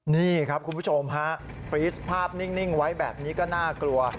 นี่ครับคุณผู้ชมฮะฟรีสภาพนิ่งไว้แบบนี้ก็น่ากลัว